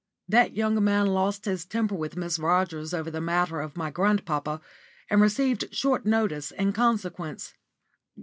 That young man lost his temper with Miss Rogers over the matter of my grandpapa, and received short notice in consequence.